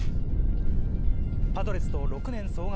パドレスと６年総額